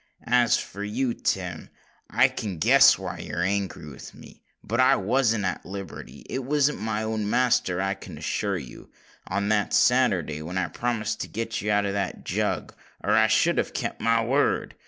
"As for you, Tim—I can guess why you're angry with me; but I wasn't at liberty—I wasn't my own master, I can assure you—on that Saturday when I promised to get you out of the Jug; or I should have kept my word.